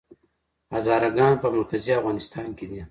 هزاره ګان په مرکزي افغانستان کې دي؟